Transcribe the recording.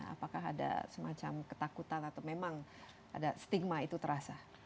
apakah ada semacam ketakutan atau memang ada stigma itu terasa